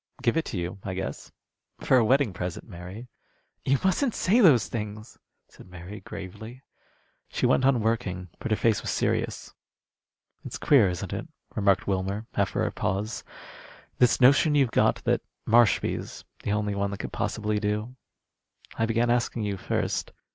"Give it to you, I guess. For a wedding present, Mary." "You mustn't say those things," said Mary, gravely. She went on working, but her face was serious. "It's queer, isn't it," remarked Wilmer, after a pause, "this notion you've got that Marshby's the only one that could possibly do? I began asking you first."